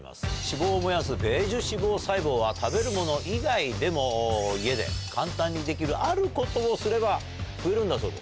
脂肪を燃やすベージュ脂肪細胞は食べるもの以外でも家で簡単にできるあることをすれば増えるんだそうです。